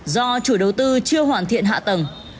do chủ đầu tư chưa hoàn thiện hạ tầng